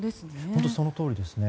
本当そのとおりですね。